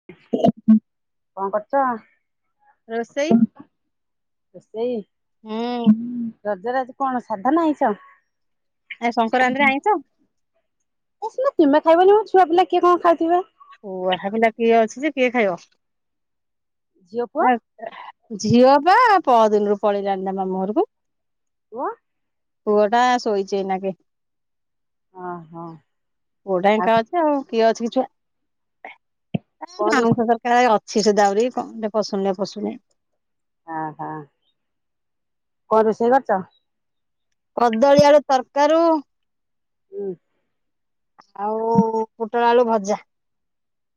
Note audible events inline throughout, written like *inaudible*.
କଁ କରୁଚ? ରୋଷେଇ ରୋଷେଇ? ହୁଁ ରଜରେ ଆଜି କଣ ସାଧା ନା ଆଇଁସ? ଆଜି ସଂଙ୍କରାନ୍ତିରେ ଆଇଁଷ? ହଁ ସିନା ତୁମେ ଖାଇବନି ଛୁଆ ପିଲା କିଏ କଣ ଖାଇଥିବେ? ଛୁଆ ପିଲା କିଏ ଅଛି ଯେ କିଏ ଝିଅ ପୁଅ ଖାଇବ। ଝିଅ ବା ପଅଦିନରୁ ପଳେଇଲାଣି ତା ମାମୁଁ ଘରକୁ। ପୁଅ? ପୁଅଟା ଶୋଇଚି ଏଇନାକେ। ଓହୋ ପୁଅଟା ଏକା ଅଛି ଆଉ କିଏ ଅଛି କି ଛୁଆ। ଏ କଣ ରୋଷେ ମାଉଂସ ତରକାର ଅଛି ସେ ଦ ଆହୁରି କ ପଶୁନିରେ ପଶୁନେ। ଆ ହଁ କଁ ରୋଷେଇ କରିଚ? କଦଳୀ ଆଳୁ ତରକାରୁ। ହୁଁ। ଆଉ ପୋଟଳ ଆଳୁ ଭଜା।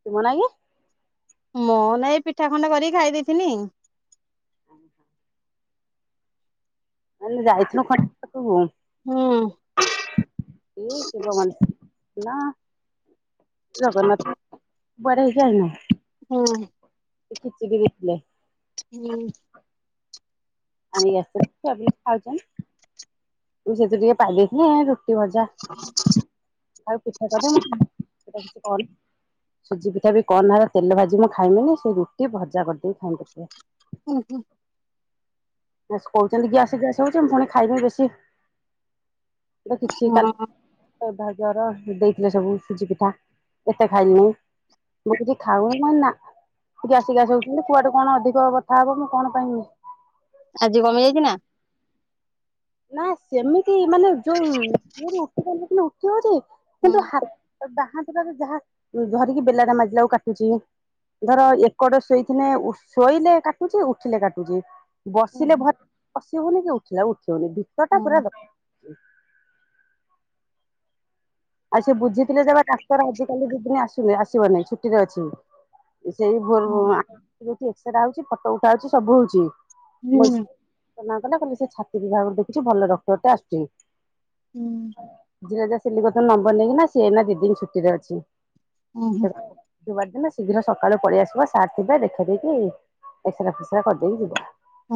ତୁମନାଗି? ମୁଁ ନାଗି ଏ ପିଠା ଖଣ୍ଡେ କରିକି ଖାଇ ଦେଇଥିନି। କାଲି ଯାଇଥିନୁ *unintelligible* ପାଖକୁ। ହୁଁ। ଏଇ ଶିବ ମନ ନା ଜଗନ୍ନାଥ ପଢ଼େଇ କି ଆଇନୁ। ହୁଁ। ସେ ଖିଚିଡି ହେଇଥିଲେ। ହୁଁ। ଆଣିକି ଆସିଥିଲେ ଛୁଆ ପିଲା ଖାଉଚନ୍ତି। ମୁଁ ସେଇଥୁରୁ ଟିକେ ପାଇଦେଇଥିନି ଏ ରୁଟି ଭଜା ହଁ ଆଉ ପିଠା କଦ ମୁ ସେଟା କିଛି କ ସୁଜି ପିଠା ବି କଣ ହେବ ତେଲ ଭାଜି ମୁଁ ଖାଇମିନି ସେଇ ରୁଟି ଭଜା କରିଦେଇକି ଖାଇମି ପଛିକା। ଉ ହୁଁ। କହୁଛନ୍ତି ଗ୍ୟାସ ଗ୍ୟାସ ହଉଛି ମୁ ପୁଣି ଖାଇମି ବେଶୀ କିଛି ହଁ କାଲି ଜର ଦେଇଥିଲେ ସବୁ ସୁଜି ପିଠା ଏତେ ଖାଇଲିନି। ମୁଁ କିଛି ଖାଉ ନି ନା। ଗ୍ୟାସ୍ ଗାସ ହଉଛନ୍ତି କୁଆଡେ କଣ ଅଧିକ ବଥା ହବ ମୁଁ କଣ ପାଇମି। ଆଜି କମିଯାଇଚି ନା? ନା ସେମିତି ମାନେ ଯୋଉ *unintelligible* ହୁଁ କିନ୍ତୁ ହା ବାଆଁ ହାତ ଯାହା ଧରିକି ବେଲାଟା ମାଜିଲାକୁ କାଟୁଚି। ଧର ଏକଡ ଶୋଇଥିଲେ ଶୋଇଲେ କାଟୁଚି ଉଠିଲେ କାଟୁଚି। ବସିଲେ ହୁଁ ଭ ବସି ହଉନି କି ଉଠିଲା ଉଠି ହଉନି ଭିତ ହୁଁ ଟା ପୁରା ବ ଆଉ ସେ ବୁଝିଥିଲେ ଯେ ସେ ଡାକ୍ତର ଆଜିି କାଲି ଦି ଦିନ ଆସୁ ଆସି ବ ନାହିଁ ଛୁଟିରେ ଅଛି। ସେଇ ଭୋଲ୍ ହୁଁ ଏକ୍ସରା ହଉଚି ଫଟୋ ଉଠା ହଉଚି ସବୁ ହଉଚି। ହୁଁ ମନା କଲା କହିଲା ସେ ଛାତି ବିଭାଗ ଦେଖୁଚି ଭଲ ଡକ୍ଟର ଟେ ଆସୁଚି। ହୁଁ। *unintelligible* ନମ୍ବର ନେଇକି ନା ସିଏ ଦି ଦିନ ଛୁଟିରେ ଅଛି। ହୁଁ ଦୁବାର ଦିନ ସେିଦିନ ସକାଳୁ ପଳେଇ ଆସିବ ସାର୍ ଥେ ଦେଖେଇଦେଇ କି ଏକ୍ସରା ଫିକ୍ସରା କରିଦେଇକି ଯିବା।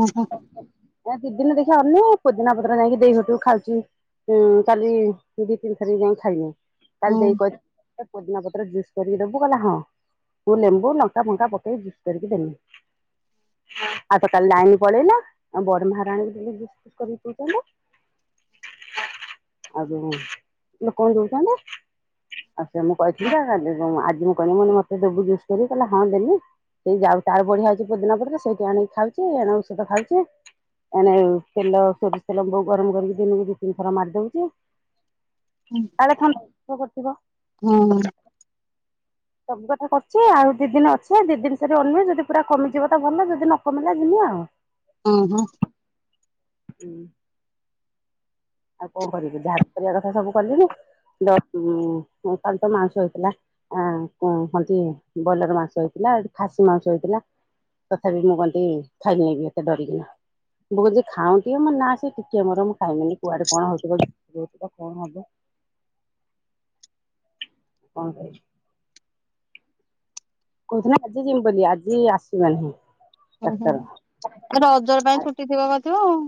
ଓହୋ ଏ ଦି ଦିନ ଦେଖିବା ଅନେ ପୋଦିନା ପତର ଯାଇକି ଦେଇ ଘଟୁ ଖାଉଛି। ଉଁ କାଲି ଦି ତିନିଥାର ଯା ଖାଇନି କାଲି ହୁଁ ଦେଇ କ ପୋଦିନା ପତ୍ର ଜୁସ୍ କରିକି ଦେବୁ ଗଲା ହଁ ଲେମ୍ବୁ ଲଙ୍କା ଫଙ୍କା ପକେଇକି ଜୁସ୍ସ କରିକି ଦେମି। ଆଉ ତ କାଲି ଲାଇନ ପଳେଇଲା ଆଉ ବଡ ମହାରାଣୀ ଜୁସ୍ ଫୁସ୍ କରିକି ପିଉଛନ୍ତି। *unintelligible* ଲୋକଙ୍କୁ ଦଉଛନ୍ତି। ଆଉ ସେ ମୁଁ କହିଥିଲି ଆଜି ମୁଁ କହିଲି ମୁ ମତେ ଦେବୁ ଯୁସ୍ କିରିକି କହିଲା ହଁ ଦେବି। ସେଇ ଯାଉ ତାର ବଢିଆହେଇଛି ପୋଦିନା ପତ୍ର ସେଇଠି ଆଣିକି ଖାଉଛି ଏଣ ଔଷଧ ଖାଉଛି। ଏଣେ ତେଲ ସୋରିଷ ତେଲ ବୋଉ ଗରମ କରିକି ଦିନକୁ ଦି ତିନି ଥର ମାରି ଦଉଛି। ହୁଁ ତାହଲେ ଖାନ୍ କରଥିବ ହୁଁ। ସବୁ କଥା କରୁଛି ଆଉ ଦି ଦିନ ଅଛେ ଦି ଦିନ ଅନିବେ ଯଦି ପୁରା କମିଯିବ ତ ଭଲ ଯଦି ନ କମି ଲା ଜିମି ଆଉ। *inaudible* ଉଁ ହୁ ହୁଁ ଆଉ କଣ କରିବି ଯାହା ତ କରିବା କଥା ସବୁ କିଲିନି କାଲି ତ ମାଉଁସ ହେଇଥିଲା। ଆ କ ହୁନ୍ତି ବ୍ରଏଲର ମାଂସ ହେଇଥିଲା ଏଠି ଖାସି ମାଂସ ହେଇଥିଲା। ତଥାପି ମୁଁ କହନ୍ତି ଖାଇନି ବି ଏତେ ଡରିକିନା। ଭୋଜି ଖାଉନ୍ ଟିକେ ମୋ ନା ସେ ଟିକେ ମୋର ମୁଁ ଖାଇମିନି କୁଆଡେ କଣ ହବ କଣ ହବ। କଣ *unintelligible* କହୁଥିଲା ଆଜି ଜୀମି ବୋଲି ଆଜି ଆସିଲା ନାହିଁ। ହୁଁ ହୁଁ ଡାକ୍ତର। ଆ ରଜର ପାଇଁ ଛୁଟି ଥିବ ବୋଧେ ଆଉ।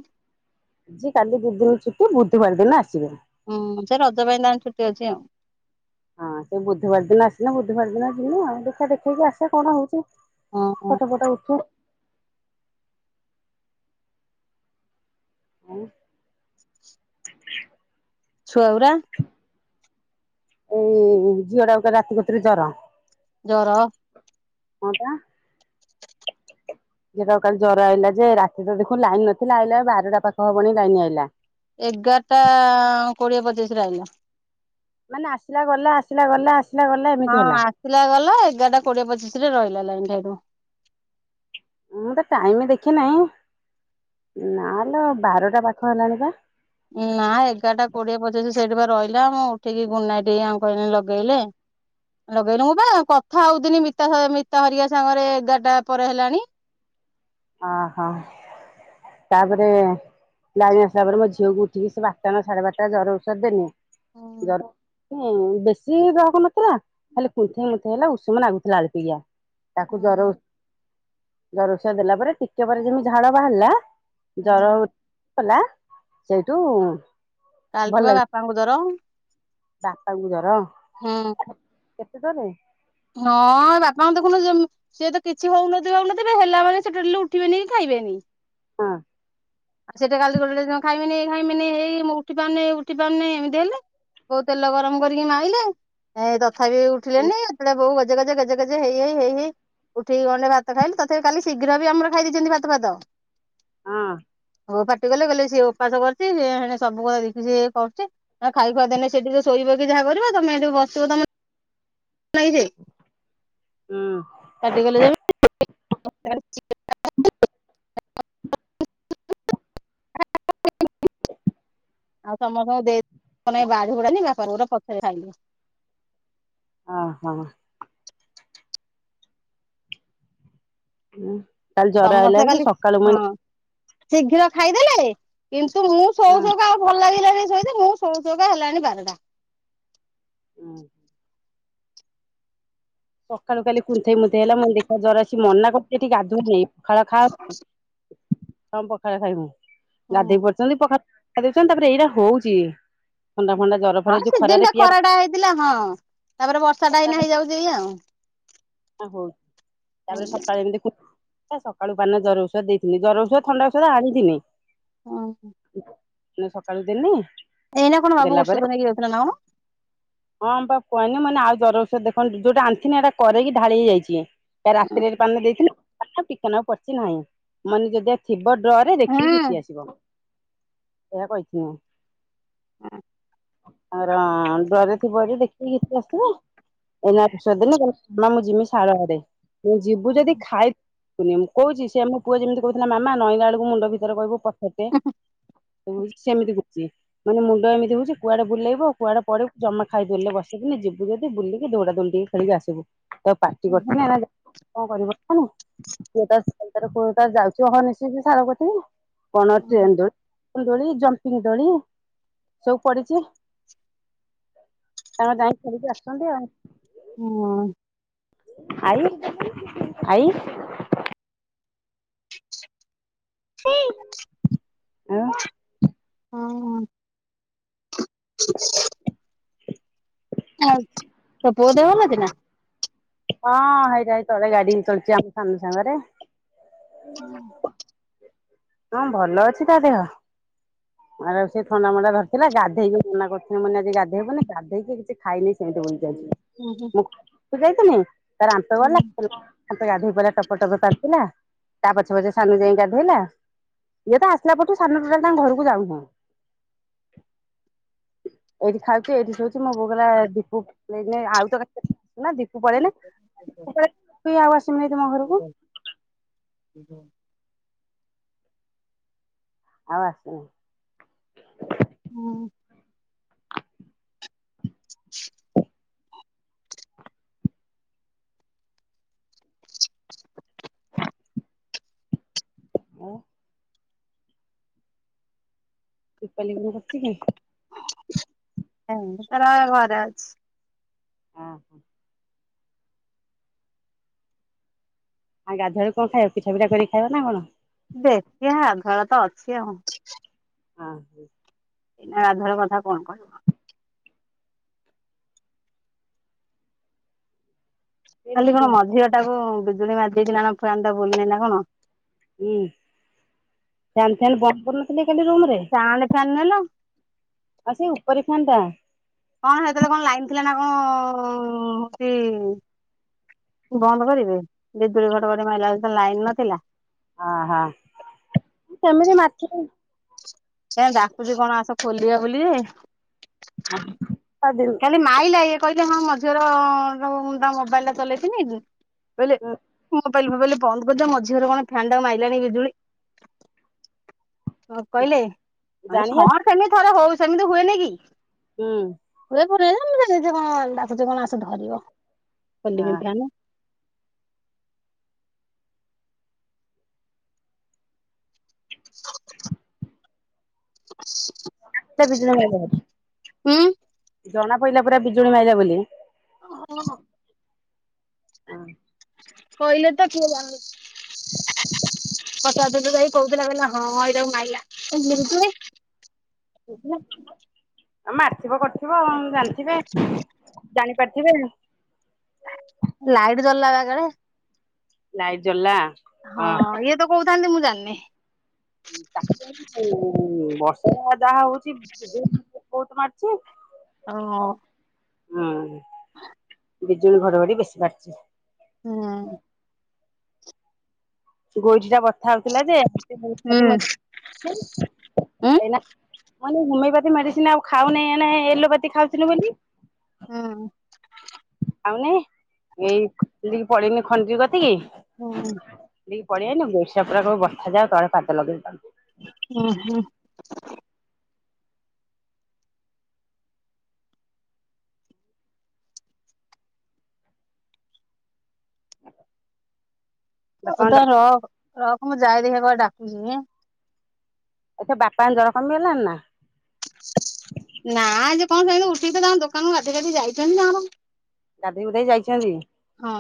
ଆଜି କାଲି ଦି ଦିନ ଛୁଟି ବୁଧବାର ଦିନ ଆସିବେ। ଉଁ ସେ ରଜ ପାଇଁ ତାଙ୍କ ଛୁଟି ଅଛି ଆଉ। ହଁ ସେ ବୁଧବାର ଦିନ ଆସିଲେ ବୁଧବାର ଦିନ ଯିମି ଆଉ ଦେଖା ଦେଖେଇକି ଆସିବା କଣ ହଉଛି। ହଁ ଫଟ ଫଟ ଉଠେ *inaudible* ଛୁଆ ଗୂରା। ଇ ଝିଅ ଟା କୁ ରାତି କତୁରୁ ଜର। ଜର କଁ ଟା ଝିଅ ଟା କାଲି ଜର ଆଇଲା ଯେ ରାତିରେ ଦେଖୁ ଲାଇନ ନଥିଲା ଆଇଲା ବାରଟା ପାଖ ହବନି ଲାଇନ ଆଇଲା। ଏଗାରଟା କୋଡିଏ ପଚିଶରେ ଆଇଲା। ମାନେ ଆସିଲା ଗଲା ଆସିଲା ଗଲା ଆସିଲା ଗଲା ଏମିତି ହେଲା। ପିଲା ଗଲା ଏଗାରଟା କୋଡିଏ ପଚିଶ ରେ ରହିଲା ଲାଇନ ସେଠୁ। ମୁଁ ତ ଟାଇମ ଦେଖି ନାହିଁ ନାଲୋ ବାରଟା ପାଖ ହେଲାଣି ବା। ନା ଏଗାରଟା କୋଡିଏ ପଚିଶ ସେଇଠି ବା ରହିଲା ମୁଁ ଉଠିକି ଗୁଡନାଇଟ୍ଟି ଆକୁ କହିଲି ଲଗେଇଲେ। ଲଗେଇଲୁ ମୁ ବା କଥା ହଉ ଥିନି ମି ମିତା ହରିକା ସାଙ୍ଗରେ ଏଗାରଟା ପରେ ହେଲାଣି। ଓ ହୋ ତାପରେ ଲାଇନ ଆସିଲା ପରେ ମୋ ଝିଅକୁ ଉଠିକି ସେ ବାରଟା ନା ସାଢେ ବାରଟା ଜର ଔଷଧ ଦେନି ହୁଁ ଜର ବେଶୀ ଗ୍ରହକ ନଥିଲା ଖାଲି କୁନ୍ଥେଇ କୁନ୍ଥେଇ ହେଲା ଉଷୁମ ନାଗୁଥିଲା ଆଳପିକିଆ। ତାକୁ ଜର ହୁଁ ଜର ଓଷାଧ ଦେଲା ପରେ ଟିକେ ପରେ ଯେମିତି ଝାଳ ବାହାରିଲା। ହୁଁ ଜର ଉଠଲା ସେଇଠୁ ଭଲ କାଲିଠୁ ବା ଲାଗେ ବାପାଙ୍କୁ ଜର। ବାପାଙ୍କୁ ଜର। ହଁ କେତେ ଦେଲେ। ହଁ ବାପା ଙ୍କୁ ଦେଖୁନୁ ଯେମି ସିଏ ତ କିଛି ହଉ ନଥିବେ ହଉ ନଥିବେ ହେଲା ବେଳେ ସେ ଡେରି ଲେ ଉଠିବେନି ଖାଇବେନି। ହଁ। ଆ ସେଏ ତ କାଲି ରେ ଗଲେଯେ ଖାଇମିନି ଖାଇମିନି ହେଇ ମୁଁ ଉଠି ପାରୁନି ଉଠି ପାରୁନି ଏମିତି ହେଲେ। ବୋଉ ତେଲ ଗରମ କରିକି ମାଇଲେ ଏ ତଥାପି ଉଠିଲେନି ସେତେ ବେଳେ ବୋଉ ଗଜେ ଗଜେ ଗଜେ ଗେଯେ ହେଇ ହେଇ ହେଇ ହେଇ ଉଠେଇି ଗଣ୍ଡେ ଭାତ ଖାଇଲୁ ତଥାପି କାଲି ଶୀଘ୍ର ବି ଆମର ଖାଇ ଦେଇେଛନ୍ତି ଭାତ ଫାତ। ହଁ। ହୋ ଫାଟି କଲେ କଲେ ସିଏ ଉପାସ କରୁଚି ସିଏ ହେଡେ ସବୁକଥା ଧିଖି ସିଖି ହେଇ କରୁଚି। ନା ଖାଇ ଖୁଆ ଦେଲେ ସେଠି ସେ ଶୋଇବେ କି ଯାହା କରିବେ ତମେ ଯୋଉ ବସିବ ତମଲାଗି ସିଏ ହୁଁ। ପାଟିଗଲେ ଯେମିତି *unintelligible* ଆଉ ସମସ୍ତଙ୍କୁ ଦେଇ ମାନେ ବାଢ଼ି ବୁଢାନି ବାପାର ମୋର ପଛରେ ଖାଇଲୁ। ଓ ହ। କାଲି ଜର ଆଇଲା ସମସ୍ତେ ଏମିତି କାଲି ସକାଳୁ ମୁଁ ହଁ ଶୀଘ୍ର ଖାଇଦେଲେ କିନ୍ତୁ ମୁଁ ଶୋଉ ହଁ। ଶୋଉକା ଆଉ ଭଲ ଲାଗିଲାନି ଶୋଇତେ ମୁଁ ସୋଉସୋଉକାକା ହେଲାଣି ବାରଟା। ହୁଁ। ସକାଳୁ ଖାଲି କୁନ୍ଥେଇ ମୁନ୍ଥେଇ ହେଲା ମୁଁ ଦେଖା ଜର ଆସି ମନା କରୁଚି ଏଠି ଗାଧୁନି। ଖାଳ ଖାଅ ହଁ ପଖାଳ ଖାଇବୁ ହୁଁ ଗାଧେଇ ପଡିଚନ୍ତି ପଖାଳ ଖାଇ ଦଉଚନ୍ତି ତାପରେ ଏଇରା ହଉଚି ଥଣ୍ଡା ଫଣ୍ଡା ଜର ହଁ ଫର ଯୋଉ ସିଜନ ଖରାରେ ଟା ପିଆ ଖରାଟା ହେଇଥିଲା ହଁ ତାପରେ ବର୍ଷା ଟା ଏଇନା ହେଇଯାଉଚି ଆଉ। ଆ ହଉ ତାପରେ ସକାଳେ ଏମ୍ତି କୁ କା ସକାଳୁ ପାନେ ଜର ଔଷଧ ଦେଇଥିଲି ଜର ଔଷଧ ଥଣ୍ଡାଔଷଧ ଆଣିଥିନି। ହଁ। ମୁଁ ସକାଳୁ ଦେନି। ଏଇନା କଣ ବାବୁ ଔଷଧ ନେଇକି ଯଉଥିଲା ନା କଣ। ହଁମ ବା କୁହନି ମାନେ ଆଉ ଜର ଔଷଧ ଦେଖନ୍ତୁ ଯୋଉଟା ଆଣିଥିନି ଏଟା କରରେକି ଢାଳି ହେଇଯାଇଚି। ରାତିରେ ପାନେ ଦେଇଥିନୁ ଆଉ ଟିକେ ନାକୁ ପଡିଚି ନାହିଁ ମନେ ଯଦିଆ ଥିବ ଡ୍ରରେ ହୁଁ ଦେଖିକି ଘିତି ଆସିବ ଏହା କହିିଥି ମୁଁ। ହୁଁ। ଆର ଡ୍ରରେ ଥିବ ଯଦି ଦେଖିକି ଘିତିଆସିବ ଏଇନା ଶୋଦିଲେ କହିଲେ ମା ମୁଁ ଯିମି ସାଳଆଡେ ମୁଁ ଯିବୁ ଯଦି ଖାଇ କୁନିଆ ମୁଁ କଉଚି ସିଏ ମୋ ପୁଅ ଯେମିତି କହୁଥିଲା ମାମା ନଇଲା ବେଳକୁ ମୁଣ୍ଡ ଭିତରେ କହିବୁ ପଛଟେ *unintelligible* ମାନେ ମୁଣ୍ଡ ଏମିତି ହଉଚି କୁଆଡେ ବୁଲେଇବ କୁଆଡେ ପଡିବୁ ଜମା ଖାଇଦେଲେ ରେ ବସିବୁନି ଯିବୁ ଯଦି ବୁଲିକି ଦୌଡା ଦୌଡିି ଟିକେ ଖେଳିକି ଆସିବୁ ତ ପାଟି କରିଥିଲି ଏଣେ ଯେ କଣ କରିବ କାମ ସେ ତାର ସେ ତାର କଣ ତାର ଯାଉଚି ହନିଶିକି ସାଳ କତିକି। କଣ ଟ୍ରେନ ଦୋଳି ଦୋଳି ଜମ୍ପିଙ୍ଗ ଦୋଳି ସବୁ ପଡିଚି। ତାଙ୍କର ଯାଇଁ ଖେଳିକି ଆସୁଛନ୍ତି ଆଉ। ହୁଁ। ଆଈ ଆଈ। ଆଉ। ହଁ ଆଉ ତୋ ପୁଅ ଦେହ ଭଲ ଅଛି ନା। ହଁ ହେଇଟା ହେଇ ତଳେ ଗାଡି ଚଡୁଛି ଆମ ସାନ ସାଙ୍ଗରେ। ହୁଁ। ହଁ ଭଲ ଅଛି ତା ଦେହ। ଆରେ ସେ ଥଣ୍ଡା ମଣ୍ଡା ଧରିଥିଲା ଗାଧେଇକି ମନା କରୁଥିଲା ମାନେ ଆଜି ଗାଧେଇବୁନି ଗାଧେଇକି କିଛି ଖାଇନି ସେମିତି ବୁଲୁଚି ଆଜି। ହୁଁ ହୁଁ। ତୁ ଯାଇଥୁନି? ତା ରାତ ଗଲା ଖାଲି ତ ଏ ଗାଧେଇ ପଡିଲା ଟପର ଟପ ପାଧିଲା ତା ପଛେ ପଛେ ସାନୁ ଯାଇଁକି ଗାଧେଇଲା। ଏଟା ତ ଆସିଲା ପରଠୁ ସାନ ଟୋଟାଲ ତାଙ୍କ ଘରକୁ ଯାଉନାହ। ଏଇଠି ଖାଉଛି ଏଇଠି ଶଉଛି, ମୋ ବୋଉ କହିଲା ଏ ଦିପୁ *unintelligible* ମୁଁ ପଳେଇଲେ *inaudible* ତୁ ଆଉ ଆସିବୁନି ଜମା ଘରକୁ। ହୁଁଁ। ଆଉ ଆସୁନି। ହୁଁ। ହଁ ଦୀପାଲି ଘରେ ଅଛି କି? ହଁ ତାର ଘରେ ଅଛି। ହଁ ହ ଆଉ ଗାଧୁଆ ବେଳକୁ କଣ ଖାଇବ, ପିଠା ଫିଠା କରି ଖାଇବ ନା କଣ? ଦେଖିଵା ଘରେ ତ ଅଛି ଆଉ। ହଁ। ଏଇନା ଆଗର କଥା କଣ କହିବ। ସେ ଖାଲି ରୁଟି କଣ ମଝି ଘରଟାକୁ ବିଜୁଳି ମାରି ଦେଇଥିଲା ନା ଫ୍ୟାନ ଟା ବୁଲୁନି ନା କଣ? ହୁଁ ଫ୍ୟାନ ଫ୍ୟାନ ବନ୍ଧ କରିନଥିଲେ କାଲି ରୁମ ରେ? ସାଉଣ୍ଡ ଫ୍ୟାନ ହେଲା। ଆଉ ସେଇ ଉପରେ ଫ୍ୟାନ ଟା? ହଁ ହେଥିରେ କଣ ଲାଇନ୍ ଥିଲା ନା କଣ *inaudible* ବନ୍ଦ କରିବେ ବିଜୁଳି ଘଡ଼ଘଡ଼ି ମାଇଲା ଯେତେବେଳେ ଲାଇନ ନଥିଲା। ଆ ହାଁ, କେମିତି ମାରଛି? ସେ ଡାକୁଛି କଣ ଆସ ଖୋଲିଵା ବୋଲି। *inaudible* ଆଇଲା ଇଏ କହିଲେ ହଁ ମଝିରେ ଯଉଁ ମୁଁ ତା ମୋବାଇଲ ଟା ଚଲେଇଥିଲି। ବେଳେ ମୋବାଇଲ ଫୋବାଇଲ ବନ୍ଦ କରିଦିଅ ମଝିର କଣ ଫ୍ୟାନ ଟାକୁ ମାଇଲାଣି ବିଜୁଳି। କଣ କହିଲେ? ଜାଣି ମାନେ ହଁ ସେମିତି ଥରେ ହଉ ସେମିତି ହୁଏନି କି। ହୁଁ। ଘରେ ଘରେ *inaudible* ଆସୁଛି କଣ ଆସୁ ଧରିବ ଖାଲିବି ହଁ ଫ୍ୟାନ ଏ ବିଜୁଳି ମାଇଳା ଆଜି, ଉଁ ଜଣା ପଇଲା ପୁରା ବିଜୁଳି ମାଇଲା ବୋଲି। ହଁ ଆଁ କହିଲେ ତ କୋଉ ୱାଲ ପ୍ରସାଦ ଯୋଉଁ ଭାଇ କହୁଥିଲା ହଁ ଏଇଟାକୁ ମାଇଲା *inaudible* କହୁଥିଲା ଆ ମାରିଥିବ କରିଥିବ ଜାଣିଥିବେ, ଜାଣି ପାରିଥିବେ। ଲାଇଟ ଜଳିଲା ବା ଇଆଡ଼େ ଲାଇଟ ଜଳିଲା? ହଁ ଇଏ ତ କହୁଥାନ୍ତି ମୁଁ ଜାଣିନି। ବାର୍ଷିକ ଆଜି ହଉ ଉ ଉ, ବର୍ଷା ଯାହା ଯାହା ହଉଛି। ଜୁନ ମାସେ କଟ ମାରଛି। ହଁ। ହୁଁ ବିଜୁଳି ଘଡଘଡି ବେଶି ମାରିଛି। ହୁଁ ଗୋଇଠି ଟା ବଥା ହଉଥିଲା ଯେ ହୁଁ *unintelligible* ହୁଁ। ଏଇନା ଅନୁ ହୋମିଓପାଥି ମେଡିସିନ ଆଉ ଖାଉନି ଏନା ଏଲୋପାଥି ଖାଉଥିଲି ବୋଲି। ହୁଁ। ଆଉ ନାଇଁ ଏଇକି ପଳେଇନି ଖଞ୍ଜୁ କତି କିି। ହଁ। ଦି ପାଳି ଆଇଲକି *unintelligible* ତଳେ ପାଦ ଲଗେଇ ପାରୁନି। ଉଁ - ହୁଁ। ହଉ ବାପାଙ୍କ ତ ରହ ରଖ୍ ମୁଁ ଯାଏ ଦେଖିବା କ ଡାକୁଚି। ଆଚ୍ଛା ବାପାଙ୍କ ଜର କମି ହେଲାନ ନା। ନା ଆ ଯେ କଣ ସେମ ଉଠିକିତ ତାଙ୍କ ଦୋକାନରୁ ଗାଧିକାଧି ଯାଇଛନ୍ତି ନା କଣ। ଗାଧେଇ ବୁଧେଇ ଯାଇଛନ୍ତି ହଁ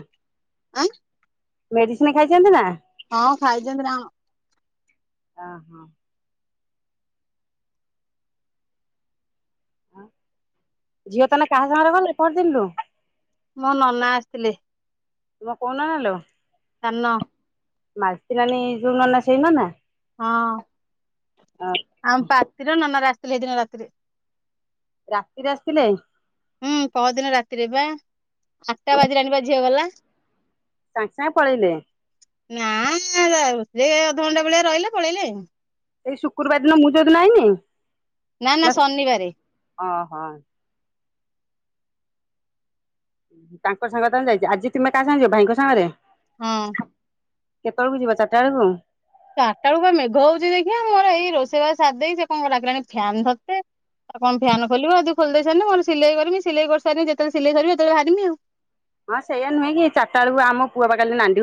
*unintelligible* ଆଁ ମେଡିସିନ ଖାଇଚନ୍ତି ନା। ହଁ ଖାଇଛନ୍ତିଛନ୍ତି ନା ହ ହଁ। ଝିଅ ତାନେ କାହା ସାଙ୍ଗରେ ଗଲେ ପଅରଦିନରୁୁ। ମୋ ନନା ଆସିଥିଲେ। ମୋ କୋଉ ନନାଲୋ। ସାନ। ମାଳତି ନାନୀ ଯୋଉ ନନା ସେଇ ନନା। ହଁ ହଁ ଆମ ପାତିର ନନାର ଆସିଥିଲେ ହେଇଦିନ ରାତିରେ। ରାତିରେ ଆସିଥିଲେ। ହୁଁ ପଅରଦିନ ରାତିରେ ବା ଆଠଟା ବାଜିଲାଣିବା ଝିଅ ଗଲା। ସାଙ୍ଗେ ସାଙ୍ଗେ ପଳେଇଲେ। ନା ନା ସେ ଅଧଘଣ୍ଟା ଭଳିଆ ରହିଲେ ପଳେଇଲେ। ଏଇ ଶୁକ୍ରବାର ଦିନ ମୁଁ ଯୋଉ ଦିନ ଆଇନି। ନା ନା ଶନିବାରେ। ଅ -ହୋ। ତାଙ୍କ ସାଙ୍ଗରେ ତମେ ଯାଇଚ଼ ଆଜି ତୁମେ କାହା ସାଙ୍ଗ ଯିବ ଭାଇଙ୍କ ସାଙ୍ଗରେ। ହଁ। କେତବେଳକୁ ଯିବା ଚାରିଟା ବେଳକୁ। ଚାରିଟା ବେଳୁ ବା ମେଘ ହଉଛି ଦେଖିବା ମୋର ଏଇ ରୋଷେଇବାସ ସାରିଦେଇ ସେ କଣ ଲାଗିଲାଣି ଫ୍ୟାନ୍ ଧରତେ। ଆଉ କଣ ଫ୍ୟାନ ଖୋିଲିବ ଏ ଟିକିଏ ଖୋଲି ଦେଇ ସାରିଲେ ମୋର ସିଲେଇ କରମି ସିଲେଇ କରିସାରିଲେ ଯେତେବେଳେ ସିଲେଇ ସରିବ ସେତେବେଳେ ବାହାରିମି ଆଉ ହଁ ସେୟା ନୁହେ କି ଚାରିଟା ବେଳକୁ ଆମ ପୁଅ ବା କାଲି ନାଣ୍ଡି ଘ